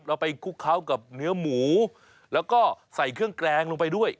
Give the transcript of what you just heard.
เราไปคลุกเคล้ากับเนื้อหมูแล้วก็ใส่เครื่องแกรงลงไปด้วย